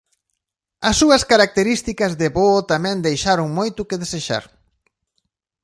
As súas características de voo tamén deixaron moito que desexar.